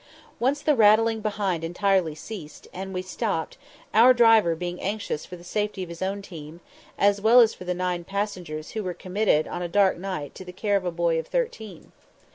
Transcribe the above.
Once the rattling behind entirely ceased, and we stopped, our driver being anxious for the safety of his own team, as well as for the nine passengers who were committed on a dark night to the care of a boy of thirteen.